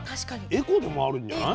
エコでもあるんじゃない？